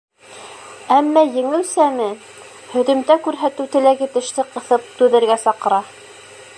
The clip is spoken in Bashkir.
Әммә еңеү сәме, һөҙөмтә күрһәтеү теләге теште ҡыҫып түҙергә саҡыра.